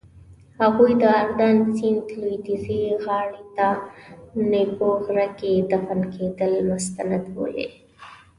هغوی د اردن سیند لویدیځې غاړې ته نیپو غره کې دفن کېدل مستند بولي.